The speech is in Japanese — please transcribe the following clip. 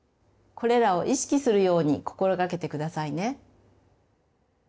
これらを意識するように心掛けてくださいね。